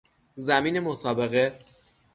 زمین مسابقه